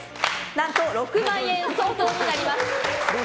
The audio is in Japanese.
何と６万円相当になります。